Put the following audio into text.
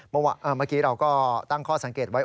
เมื่อกี้เราก็ตั้งข้อสังเกตไว้